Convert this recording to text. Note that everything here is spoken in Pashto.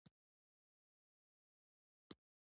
اکثره تفسیرونه مستقیمه رابطه لري.